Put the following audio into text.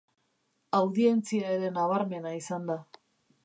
Audientzia ere nabarmena izan da.